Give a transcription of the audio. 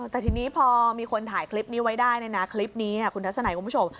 แต่ทีนี้พอมีคนถ่ายคลิปนี้ไว้ได้นะคลิปนี้คุณทัศนัยคุณผู้ชม